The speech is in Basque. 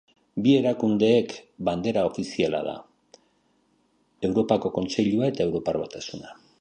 Bi erakundeek bandera ofiziala da: Europako Kontseilua eta Europar Batasuna.